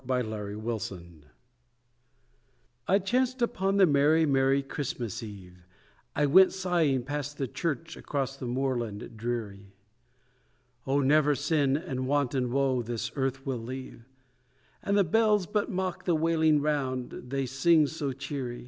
A CHRISTMAS CAROL It chanced upon the merry merry Christmas eve, I went sighing past the church across the moorland dreary 'Oh! never sin and want and woe this earth will leave, And the bells but mock the wailing round, they sing so cheery.